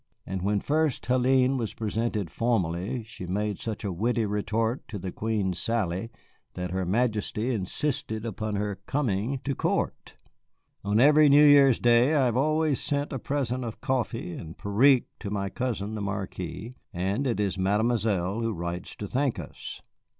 And when first Hélène was presented formally she made such a witty retort to the Queen's sally that her Majesty insisted upon her coming to court. On every New Year's day I have always sent a present of coffee and périque to my cousin the Marquis, and it is Mademoiselle who writes to thank us.